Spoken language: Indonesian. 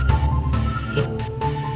saya akan cerita soal ini